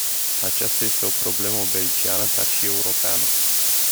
Aceasta este o problemă belgiană, dar și europeană.